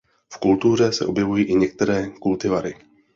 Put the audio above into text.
V kultuře se objevují i některé kultivary.